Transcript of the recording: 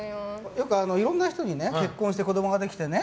よくいろんな人にね結婚して子供ができてね